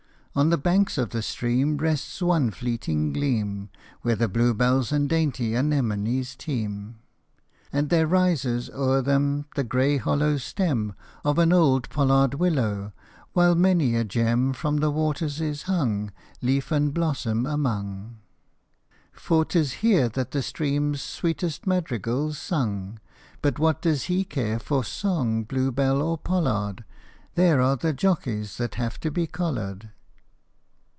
On the bank of the stream Rests one fleeting gleam, Where the bluebells and dainty anemones teem, And there rises o'er them The grey hollow stem Of an old pollard willow ; while many a gem From the waters is hung Leaf and blossom among, For 't is here that the stream's sweetest madrigal 's sung. But what does he care for song, bluebell, or pollard ? There are the jockeys that have to be collared.